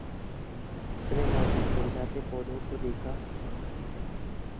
He has frequently collaborated with fellow former Pekinite Th.